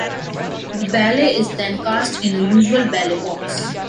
The ballot is then cast in a usual ballot box.